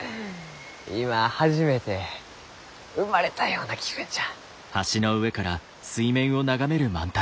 今初めて生まれたような気分じゃ。